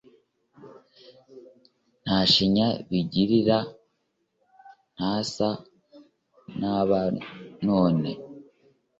nta shinya bigirira. ntasa n’aba none